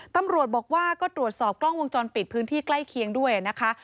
ตำรวจบอกว่าก็ตรวจสอบกล้องวงจรปิดพื้นที่ใกล้เคียงด้วยนะคะ